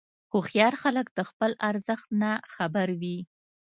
هوښیار خلک د خپل ارزښت نه خبر وي.